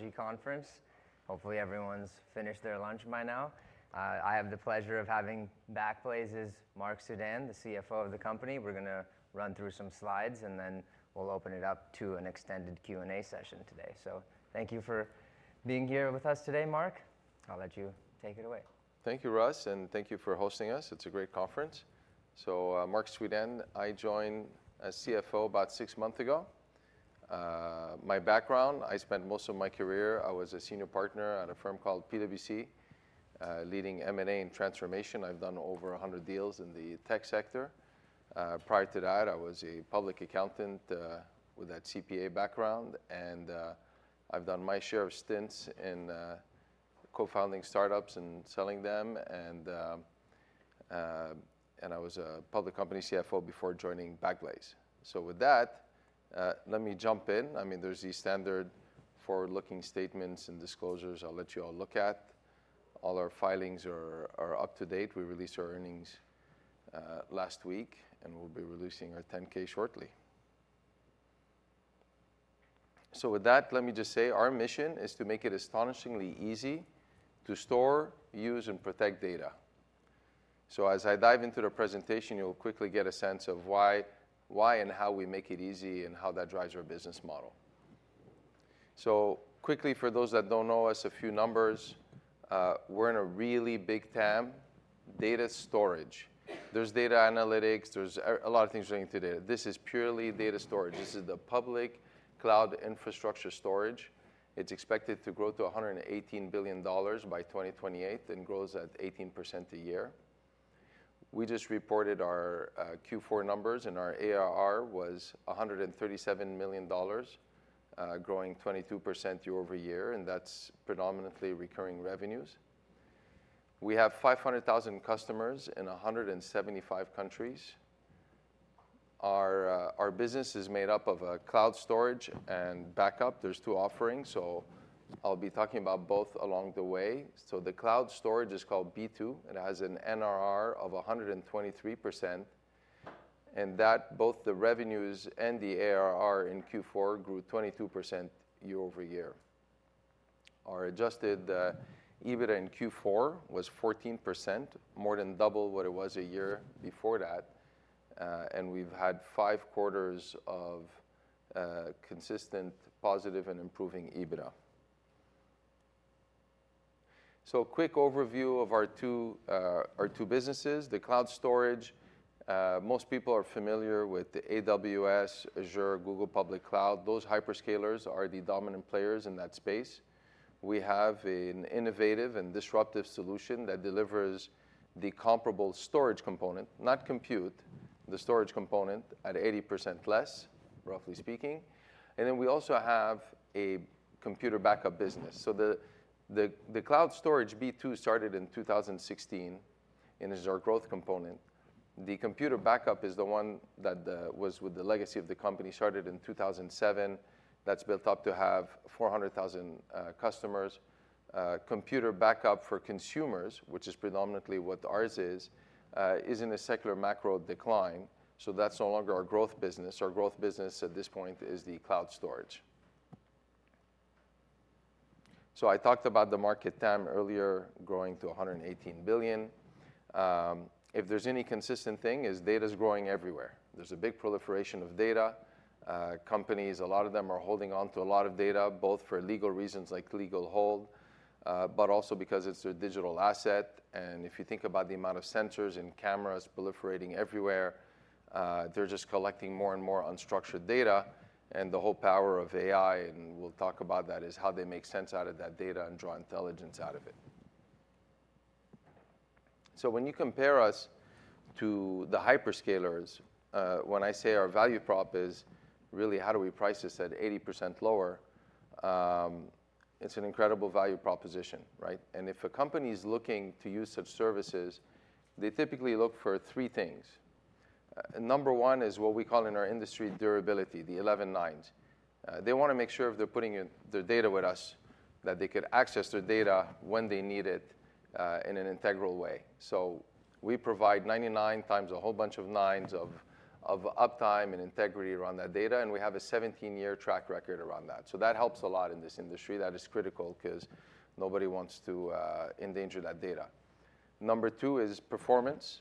Technology Conference. Hopefully, everyone's finished their lunch by now. I have the pleasure of having Backblaze's Marc Suidan, the CFO of the company. We're going to run through some slides, and then we'll open it up to an extended Q&A session today. Thank you for being here with us today, Marc. I'll let you take it away. Thank you, Russ, and thank you for hosting us. It's a great conference. Marc Suidan, I joined as CFO about six months ago. My background, I spent most of my career I was a senior partner at a firm called PwC, leading M&A and transformation. I've done over 100 deals in the tech sector. Prior to that, I was a public accountant with that CPA background, and I've done my share of stints in co-founding startups and selling them. I was a public company CFO before joining Backblaze. With that, let me jump in. I mean, there's these standard forward-looking statements and disclosures I'll let you all look at. All our filings are up to date. We released our earnings last week, and we'll be releasing our 10-K shortly. With that, let me just say our mission is to make it astonishingly easy to store, use, and protect data. As I dive into the presentation, you'll quickly get a sense of why and how we make it easy and how that drives our business model. Quickly, for those that don't know us, a few numbers. We're in a really big TAM, data storage. There's data analytics. There's a lot of things relating to data. This is purely data storage. This is the public cloud infrastructure storage. It's expected to grow to $118 billion by 2028 and grows at 18% a year. We just reported our Q4 numbers, and our ARR was $137 million, growing 22% year over year, and that's predominantly recurring revenues. We have 500,000 customers in 175 countries. Our business is made up of cloud storage and backup. are two offerings, so I'll be talking about both along the way. The cloud storage is called B2. It has an NRR of 123%. Both the revenues and the ARR in Q4 grew 22% year over year. Our adjusted EBITDA in Q4 was 14%, more than double what it was a year before that. We have had five quarters of consistent positive and improving EBITDA. A quick overview of our two businesses. The cloud storage, most people are familiar with AWS, Azure, Google Cloud. Those hyperscalers are the dominant players in that space. We have an innovative and disruptive solution that delivers the comparable storage component, not compute, the storage component, at 80% less, roughly speaking. We also have a computer backup business. The cloud storage B2 started in 2016, and it is our growth component. The Computer Backup is the one that was with the legacy of the company, started in 2007. That's built up to have 400,000 customers. Computer Backup for consumers, which is predominantly what ours is, is in a secular macro decline. That's no longer our growth business. Our growth business at this point is the cloud storage. I talked about the market TAM earlier, growing to $118 billion. If there's any consistent thing, it is data's growing everywhere. There's a big proliferation of data. Companies, a lot of them, are holding on to a lot of data, both for legal reasons, like legal hold, but also because it's their digital asset. If you think about the amount of sensors and cameras proliferating everywhere, they're just collecting more and more unstructured data. The whole power of AI, and we'll talk about that, is how they make sense out of that data and draw intelligence out of it. When you compare us to the hyperscalers, when I say our value prop is really, how do we price this at 80% lower, it's an incredible value proposition, right? If a company is looking to use such services, they typically look for three things. Number one is what we call in our industry durability, the 11 nines. They want to make sure if they're putting their data with us that they could access their data when they need it in an integral way. We provide 99 times a whole bunch of nines of uptime and integrity around that data, and we have a 17-year track record around that. That helps a lot in this industry. That is critical because nobody wants to endanger that data. Number two is performance.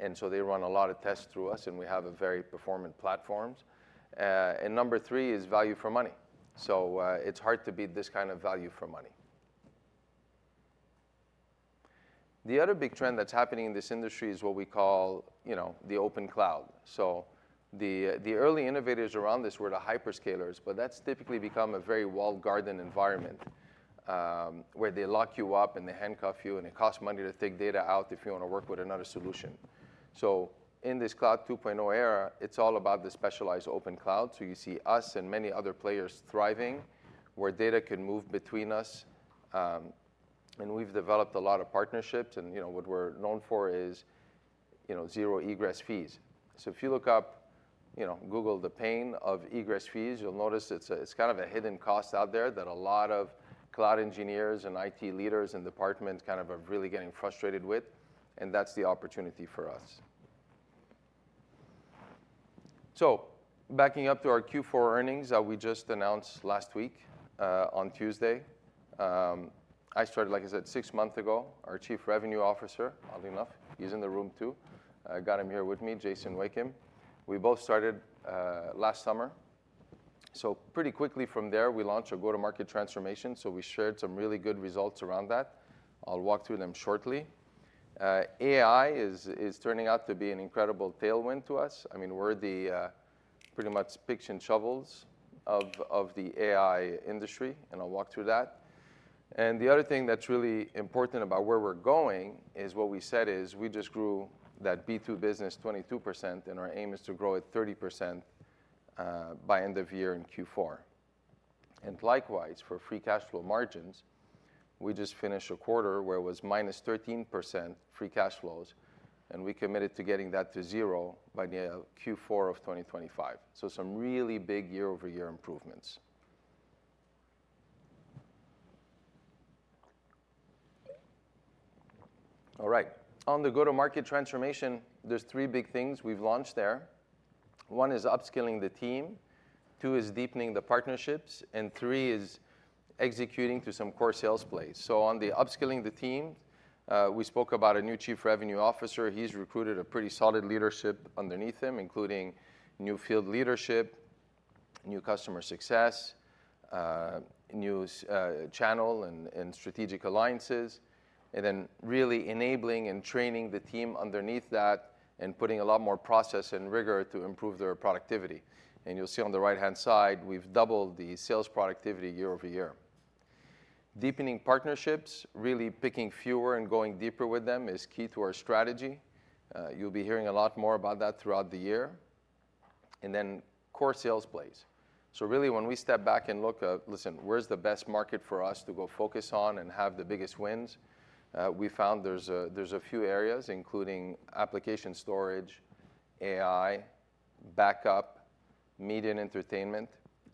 They run a lot of tests through us, and we have very performant platforms. Number three is value for money. It is hard to beat this kind of value for money. The other big trend that is happening in this industry is what we call the open cloud. The early innovators around this were the hyperscalers, but that has typically become a very well-gardened environment where they lock you up and they handcuff you, and it costs money to take data out if you want to work with another solution. In this Cloud 2.0 era, it is all about the specialized open cloud. You see us and many other players thriving where data can move between us. We have developed a lot of partnerships. What we are known for is zero egress fees. If you look up, Google the pain of egress fees, you'll notice it's kind of a hidden cost out there that a lot of cloud engineers and IT leaders and departments are really getting frustrated with. That's the opportunity for us. Backing up to our Q4 earnings that we just announced last week on Tuesday, I started, like I said, six months ago. Our Chief Revenue Officer, oddly enough, he's in the room too. I got him here with me, Jason Wakeam. We both started last summer. Pretty quickly from there, we launched a go-to-market transformation. We shared some really good results around that. I'll walk through them shortly. AI is turning out to be an incredible tailwind to us. I mean, we're pretty much picks and shovels of the AI industry, and I'll walk through that. The other thing that's really important about where we're going is what we said is we just grew that B2 business 22%, and our aim is to grow it 30% by end of year in Q4. Likewise, for free cash flow margins, we just finished a quarter where it was minus 13% free cash flows, and we committed to getting that to zero by Q4 of 2025. Some really big year-over-year improvements. All right. On the go-to-market transformation, there are three big things we've launched there. One is upskilling the team. Two is deepening the partnerships. Three is executing to some core sales plays. On the upskilling the team, we spoke about a new Chief Revenue Officer. He's recruited a pretty solid leadership underneath him, including new field leadership, new customer success, new channel, and strategic alliances, and then really enabling and training the team underneath that and putting a lot more process and rigor to improve their productivity. You'll see on the right-hand side, we've doubled the sales productivity year over year. Deepening partnerships, really picking fewer and going deeper with them is key to our strategy. You'll be hearing a lot more about that throughout the year. Core sales plays. Really, when we step back and look at, listen, where's the best market for us to go focus on and have the biggest wins, we found there's a few areas, including application storage, AI, backup, media, and entertainment.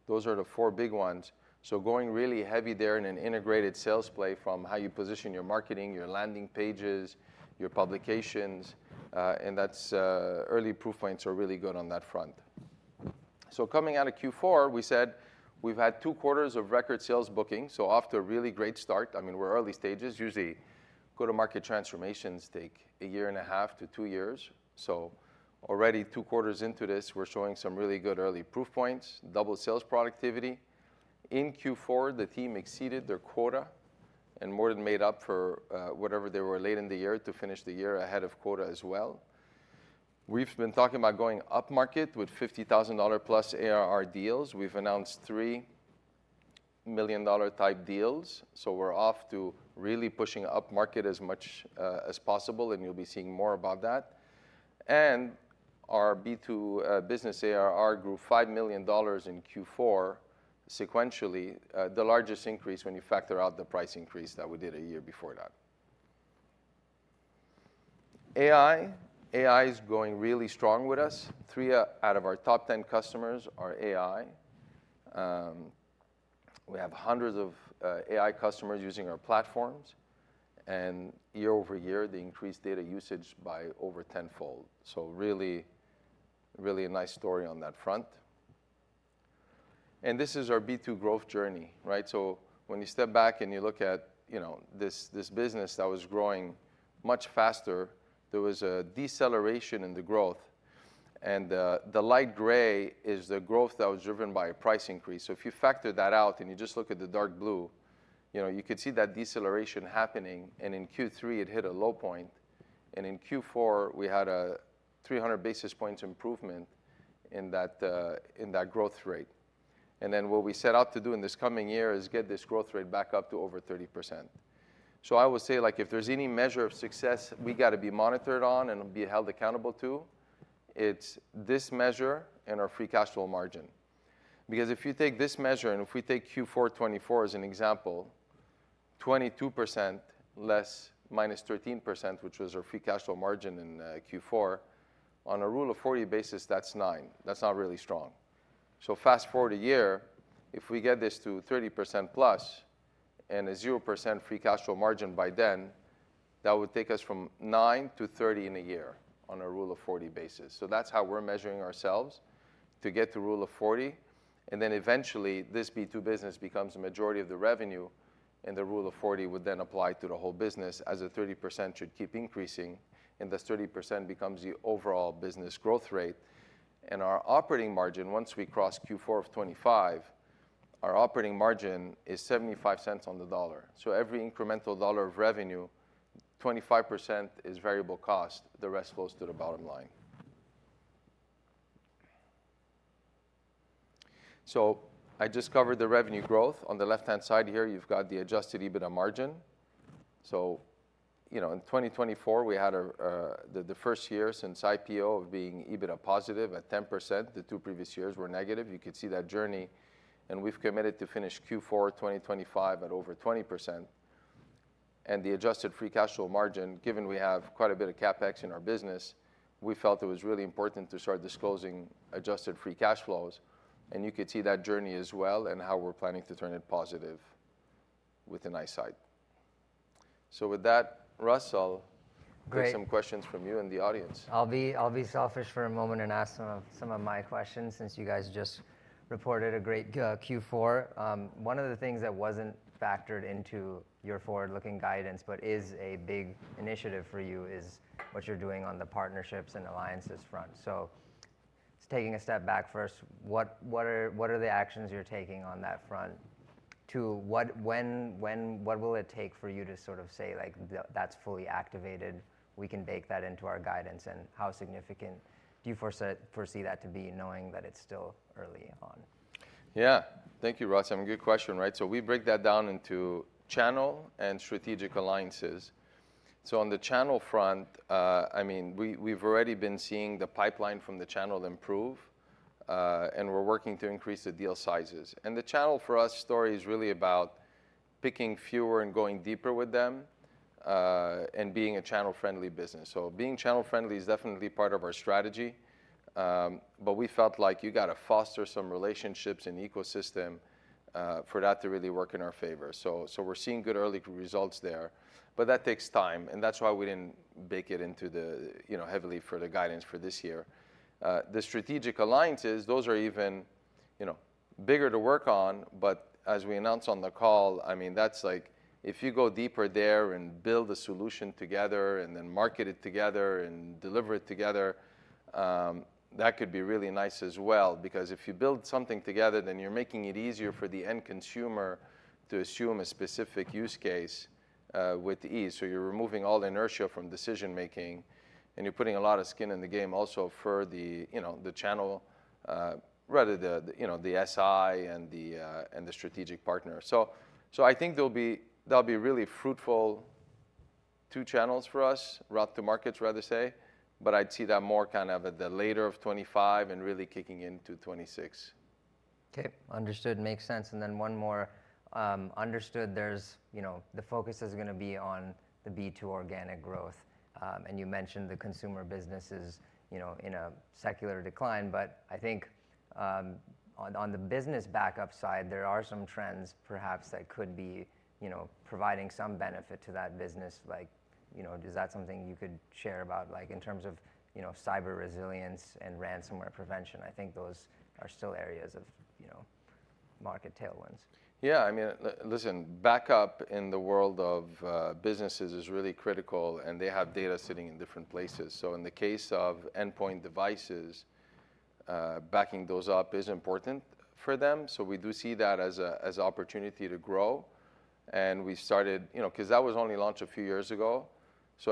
Those are the four big ones. Going really heavy there in an integrated sales play from how you position your marketing, your landing pages, your publications. Early proof points are really good on that front. Coming out of Q4, we said we've had two quarters of record sales booking. Off to a really great start. I mean, we're early stages. Usually, go-to-market transformations take a year and a half to two years. Already two quarters into this, we're showing some really good early proof points, double sales productivity. In Q4, the team exceeded their quota and more than made up for whatever they were late in the year to finish the year ahead of quota as well. We've been talking about going up market with $50,000-plus ARR deals. We've announced $3 million-type deals. We're off to really pushing up market as much as possible, and you'll be seeing more about that. Our B2 business ARR grew $5 million in Q4 sequentially, the largest increase when you factor out the price increase that we did a year before that. AI, AI is going really strong with us. Three out of our top 10 customers are AI. We have hundreds of AI customers using our platforms. Year over year, they increased data usage by over tenfold. Really, really a nice story on that front. This is our B2 growth journey, right? When you step back and you look at this business that was growing much faster, there was a deceleration in the growth. The light gray is the growth that was driven by a price increase. If you factor that out and you just look at the dark blue, you could see that deceleration happening. In Q3, it hit a low point. In Q4, we had a 300 basis points improvement in that growth rate. What we set out to do in this coming year is get this growth rate back up to over 30%. I would say, if there's any measure of success we got to be monitored on and be held accountable to, it's this measure and our free cash flow margin. Because if you take this measure, and if we take Q4 2024 as an example, 22% less, minus 13%, which was our free cash flow margin in Q4, on a Rule of 40 basis, that's 9. That's not really strong. Fast forward a year, if we get this to 30% plus and a 0% free cash flow margin by then, that would take us from 9% to 30% in a year on a Rule of 40 basis. That is how we are measuring ourselves to get to Rule of 40. Eventually, this B2 business becomes the majority of the revenue, and the Rule of 40 would then apply to the whole business as the 30% should keep increasing. This 30% becomes the overall business growth rate. Our operating margin, once we cross Q4 of 2025, our operating margin is $0.75 on the dollar. Every incremental dollar of revenue, 25% is variable cost. The rest flows to the bottom line. I just covered the revenue growth. On the left-hand side here, you have the adjusted EBITDA margin. In 2024, we had the first year since IPO of being EBITDA positive at 10%. The two previous years were negative. You could see that journey. We have committed to finish Q4 2025 at over 20%. The adjusted free cash flow margin, given we have quite a bit of CapEx in our business, we felt it was really important to start disclosing adjusted free cash flows. You could see that journey as well and how we are planning to turn it positive with an eyesight. With that, Russell, great, some questions from you in the audience. I'll be selfish for a moment and ask some of my questions since you guys just reported a great Q4. One of the things that was not factored into your forward-looking guidance, but is a big initiative for you, is what you are doing on the partnerships and alliances front. Taking a step back first, what are the actions you are taking on that front? Two, what will it take for you to sort of say, that is fully activated? We can bake that into our guidance. How significant do you foresee that to be, knowing that it is still early on? Yeah. Thank you, Russ. I mean, good question, right? We break that down into channel and strategic alliances. On the channel front, we've already been seeing the pipeline from the channel improve, and we're working to increase the deal sizes. The channel for us story is really about picking fewer and going deeper with them and being a channel-friendly business. Being channel-friendly is definitely part of our strategy. We felt like you got to foster some relationships and ecosystem for that to really work in our favor. We're seeing good early results there. That takes time. That's why we didn't bake it into the heavily for the guidance for this year. The strategic alliances, those are even bigger to work on. As we announced on the call, I mean, that's like if you go deeper there and build a solution together and then market it together and deliver it together, that could be really nice as well. Because if you build something together, then you're making it easier for the end consumer to assume a specific use case with ease. You're removing all inertia from decision-making, and you're putting a lot of skin in the game also for the channel, rather the SI and the strategic partner. I think there'll be really fruitful two channels for us, route to markets, rather say. I'd see that more kind of at the later of 2025 and really kicking into 2026. OK. Understood. Makes sense. One more, understood, the focus is going to be on the B2 organic growth. You mentioned the consumer business is in a secular decline. I think on the business backup side, there are some trends perhaps that could be providing some benefit to that business. Is that something you could share about in terms of cyber resilience and ransomware prevention? I think those are still areas of market tailwinds. Yeah. I mean, listen, backup in the world of businesses is really critical, and they have data sitting in different places. In the case of endpoint devices, backing those up is important for them. We do see that as an opportunity to grow. We started because that was only launched a few years ago.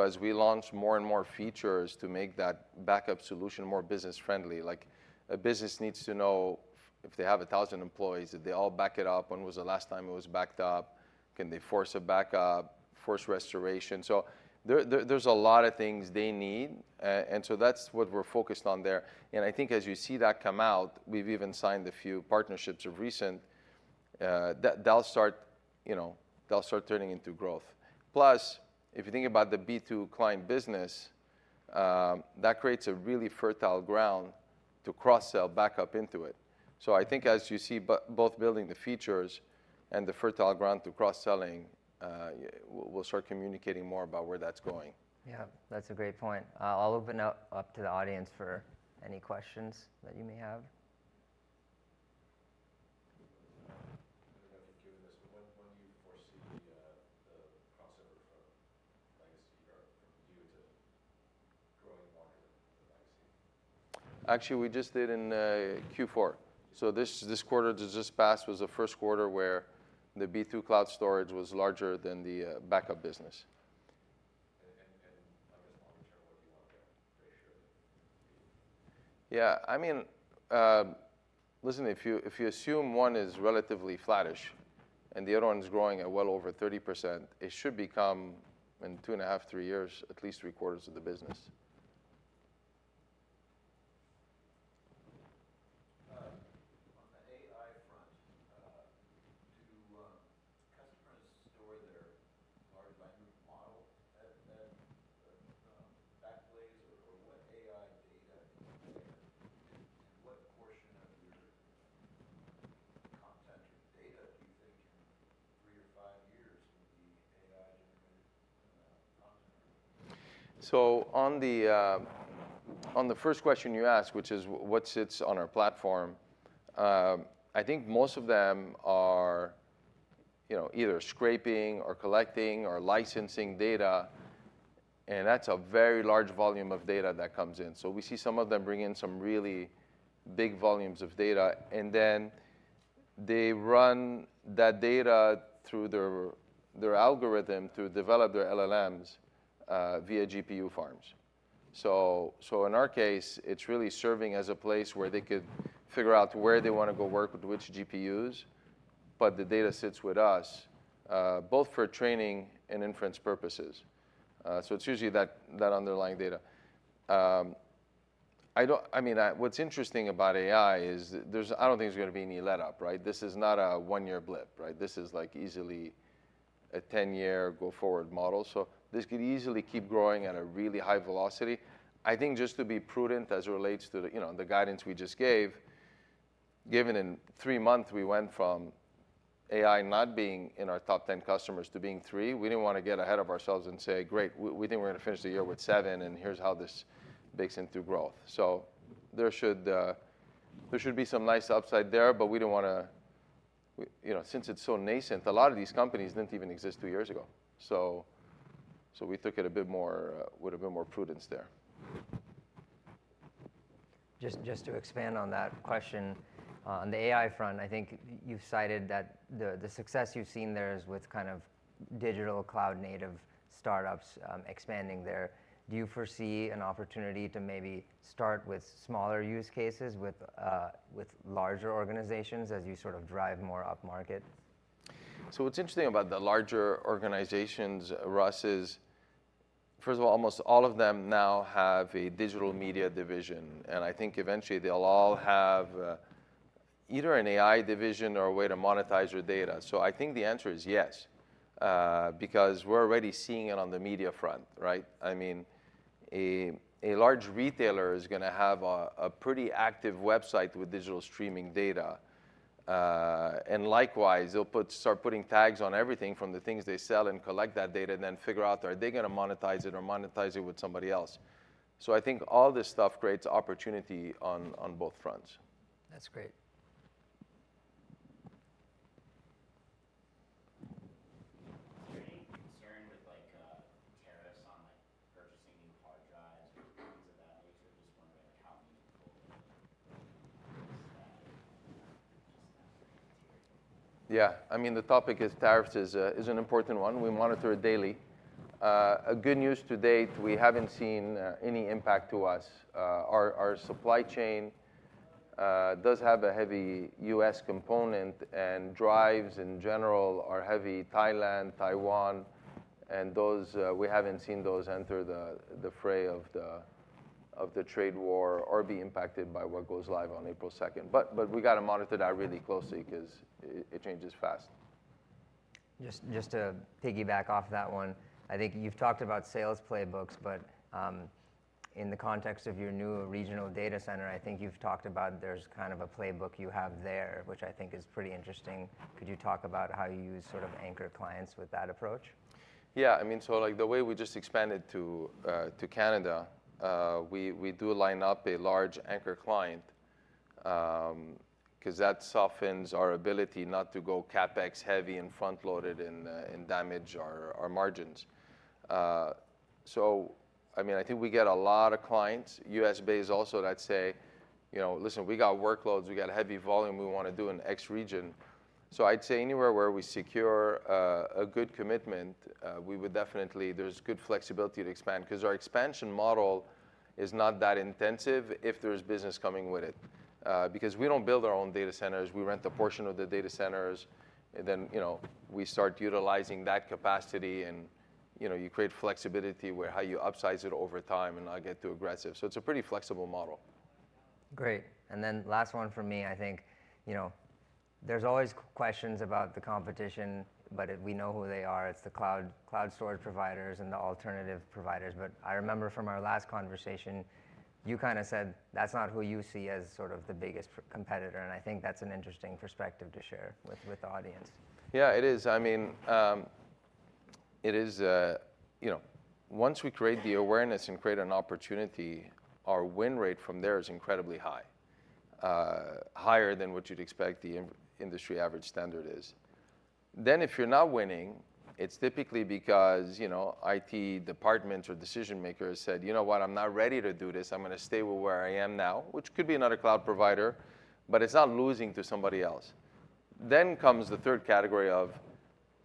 As we launch more and more features to make that backup solution more business-friendly, a business needs to know if they have 1,000 employees, if they all back it up, when was the last time it was backed up, can they force a backup, force restoration. There are a lot of things they need. That is what we are focused on there. I think as you see that come out, we have even signed a few partnerships of recent. They will start turning into growth. Plus, if you think about the B2 client business, that creates a really fertile ground to cross-sell backup into it. I think as you see both building the features and the fertile ground to cross-selling, we'll start communicating more about where that's going. Yeah. That's a great point. I'll open up to the audience for any questions that you may have. I don't know if you've given this, but when do you foresee the crossover from legacy or from new to growing market and legacy? Actually, we just did in Q4. This quarter that just passed was the first quarter where the B2 cloud storage was larger than the backup business. I guess longer term, what do you want that ratio to be? Yeah. I mean, listen, if you assume one is relatively flattish and the other one is growing at well over 30%, it should become in two and a half, three years, at least three quarters of the business. On the AI front, do customers store their large language model at Backblaze? Or what AI data is there? And what portion of your content or data do you think in three or five years will be AI-generated content? On the first question you asked, which is what sits on our platform, I think most of them are either scraping or collecting or licensing data. That is a very large volume of data that comes in. We see some of them bring in some really big volumes of data. They run that data through their algorithm to develop their LLMs via GPU farms. In our case, it is really serving as a place where they could figure out where they want to go work with which GPUs. The data sits with us, both for training and inference purposes. It is usually that underlying data. I mean, what is interesting about AI is I do not think there is going to be any let-up, right? This is not a one-year blip. This is easily a 10-year go forward model. This could easily keep growing at a really high velocity. I think just to be prudent as it relates to the guidance we just gave, given in three months we went from AI not being in our top 10 customers to being three, we did not want to get ahead of ourselves and say, great, we think we are going to finish the year with seven. Here is how this bakes into growth. There should be some nice upside there. We did not want to, since it is so nascent, a lot of these companies did not even exist two years ago. We took it a bit more with a bit more prudence there. Just to expand on that question, on the AI front, I think you've cited that the success you've seen there is with kind of digital cloud-native startups expanding there. Do you foresee an opportunity to maybe start with smaller use cases with larger organizations as you sort of drive more up market? What's interesting about the larger organizations, Russ, is first of all, almost all of them now have a digital media division. I think eventually they'll all have either an AI division or a way to monetize your data. I think the answer is yes, because we're already seeing it on the media front, right? I mean, a large retailer is going to have a pretty active website with digital streaming data. Likewise, they'll start putting tags on everything from the things they sell and collect that data and then figure out, are they going to monetize it or monetize it with somebody else? I think all this stuff creates opportunity on both fronts. That's great. Any concern with tariffs on purchasing new hard drives or things of that nature? Just wondering how meaningful is that? Just that sort of material. Yeah. I mean, the topic is tariffs is an important one. We monitor it daily. Good news to date, we haven't seen any impact to us. Our supply chain does have a heavy US component. Drives in general are heavy Thailand, Taiwan. We haven't seen those enter the fray of the trade war or be impacted by what goes live on April 2. We got to monitor that really closely because it changes fast. Just to piggyback off that one, I think you've talked about sales playbooks. In the context of your new regional data center, I think you've talked about there's kind of a playbook you have there, which I think is pretty interesting. Could you talk about how you use sort of anchor clients with that approach? Yeah. I mean, the way we just expanded to Canada, we do line up a large anchor client because that softens our ability not to go CapEx heavy and front-loaded and damage our margins. I mean, I think we get a lot of clients, US-based also, that say, listen, we got workloads. We got a heavy volume. We want to do an X region. I'd say anywhere where we secure a good commitment, we would definitely, there's good flexibility to expand. Our expansion model is not that intensive if there's business coming with it. We do not build our own data centers. We rent a portion of the data centers. Then we start utilizing that capacity. You create flexibility where how you upsize it over time and not get too aggressive. It is a pretty flexible model. Great. Last one for me, I think there's always questions about the competition. We know who they are. It's the cloud storage providers and the alternative providers. I remember from our last conversation, you kind of said that's not who you see as sort of the biggest competitor. I think that's an interesting perspective to share with the audience. Yeah, it is. I mean, it is once we create the awareness and create an opportunity, our win rate from there is incredibly high, higher than what you'd expect the industry average standard is. If you're not winning, it's typically because IT departments or decision-makers said, you know what, I'm not ready to do this. I'm going to stay where I am now, which could be another cloud provider. It's not losing to somebody else. There is a third category of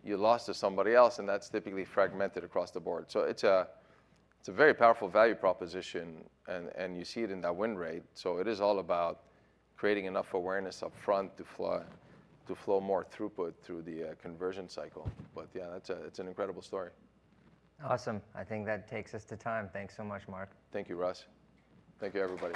you lost to somebody else, and that's typically fragmented across the board. It is a very powerful value proposition, and you see it in that win rate. It is all about creating enough awareness up front to flow more throughput through the conversion cycle. Yeah, it's an incredible story. Awesome. I think that takes us to time. Thanks so much, Marc. Thank you, Russ. Thank you, everybody.